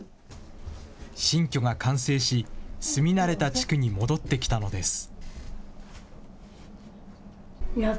新居が完成し、住み慣れた地区に戻ってきたのです。